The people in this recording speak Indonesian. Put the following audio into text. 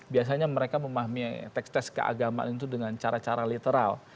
biasanya mereka memahami teks tes keagamaan itu dengan cara cara literal